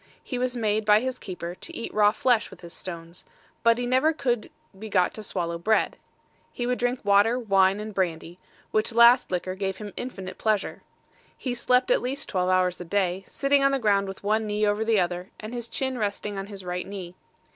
He was made by his keeper to eat raw flesh with his stones; but he never could be got to swallow bread. He would drink water, wine, and brandy, which last liquor gave him infinite pleasure. He slept at least twelve hours a day, sitting on the ground with one knee over the other, and his chin resting on his right knee.